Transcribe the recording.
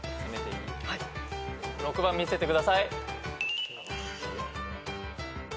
６番見せてください。